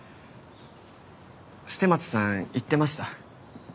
捨松さん言ってました。